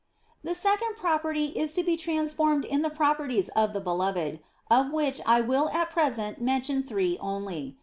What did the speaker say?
The second property is to be transformed in the properties of the Beloved, of which I will at present mention three only.